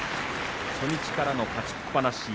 初日からの勝ちっぱなし。